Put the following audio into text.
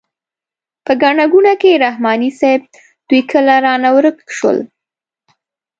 په ګڼه ګوڼه کې رحماني صیب دوی کله رانه ورک شول.